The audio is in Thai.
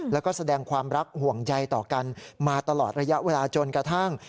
แล้วก็แสดงความรักห่วงใยต่อกันมาตลอดระยะเวลาจนกระทั่ง